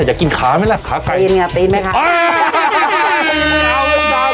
อยากกินขาไหมล่ะขาไก่ตีนไงตีนไหมคะ